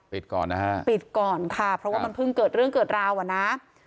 ก่อนนะฮะปิดก่อนค่ะเพราะว่ามันเพิ่งเกิดเรื่องเกิดราวอ่ะนะ